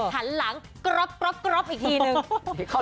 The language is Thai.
หันหลังกรอบอีกทีนึง